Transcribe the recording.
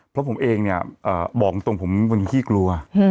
เพราะผมเองเนี่ยบอกตรงผมเป็นคนขี้กลัว